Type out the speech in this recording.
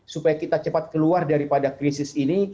supaya kita cepat keluar daripada krisis ini